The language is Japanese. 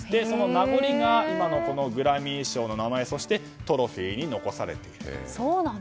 その名残が今のグラミー賞の名前そして、トロフィーに残されていると。